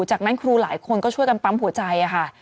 จากนั้นครูหลายคนก็ช่วยกันปั๊มหัวใจค่ะ